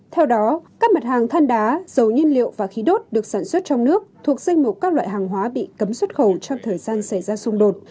theo đó các mặt hàng than đá dầu nhiên liệu và khí đốt được sản xuất trong nước thuộc danh mục các loại hàng hóa bị cấm xuất khẩu trong thời gian xảy ra xung đột